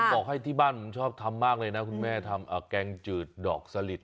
บอกให้ที่บ้านผมชอบทำมากเลยนะคุณแม่ทำแกงจืดดอกสลิด